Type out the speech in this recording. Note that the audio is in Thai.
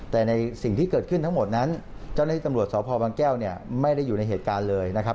แต่ในสิ่งที่เกิดขึ้นทั้งหมดนั้นเจ้าหน้าที่ตำรวจสพบางแก้วเนี่ยไม่ได้อยู่ในเหตุการณ์เลยนะครับ